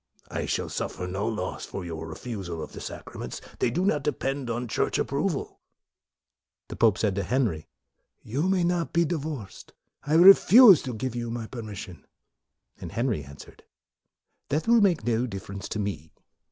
I shall suffer no loss by your refusal of the sacraments: they do not depend on Church approval.' 1 The pope said to Henry, " You may not be divorced. I refuse to give you my per mission." Henry answered, " That will make no difference to me.